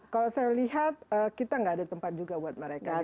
kalau saya lihat kita nggak ada tempat juga buat mereka